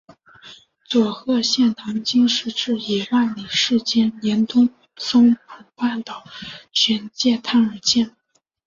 佐贺县唐津市至伊万里市间沿东松浦半岛玄界滩而建。